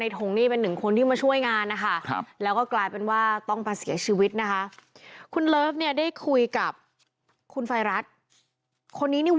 ทงนี่เป็นหนึ่งคนที่มาช่วยงานนะคะแล้วก็กลายเป็นว่าต้องมาเสียชีวิตนะคะคุณเลิฟเนี่ยได้คุยกับคุณไฟรัสคนนี้นี่